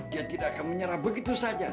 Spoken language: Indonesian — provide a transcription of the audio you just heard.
dia tidak akan menyerah begitu saja